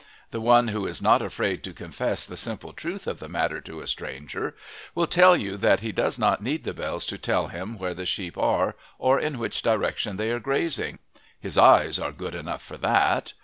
The one who is not afraid to confess the simple truth of the matter to a stranger will tell you that he does not need the bells to tell him where the sheep are or in which direction they are grazing. His eyes are good enough for that.